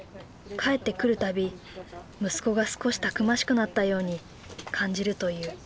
帰ってくる度息子が少したくましくなったように感じるという。